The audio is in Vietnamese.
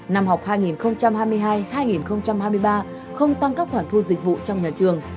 năm học hai nghìn hai mươi hai hai nghìn hai mươi ba không tăng các khoản thu dịch vụ trong nhà trường